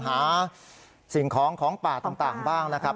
หาสิ่งของของป่าต่างบ้างนะครับ